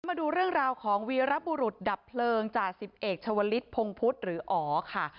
มาดูเรื่องราวของวีรบุรุษดับเพลิงจ่าสิบเอกชาวลิศพงพุธหรืออ๋อค่ะ